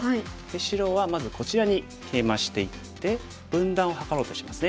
白はまずこちらにケイマしていって分断を図ろうとしてますね。